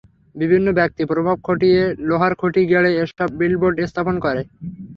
বিভিন্ন ব্যক্তি প্রভাব খাটিয়ে লোহার খুঁটি গেড়ে এসব বিলবোর্ড স্থাপন করে।